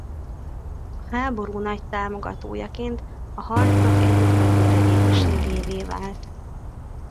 A háború nagy támogatójaként a harcok egyik vezéregyéniségévé vált.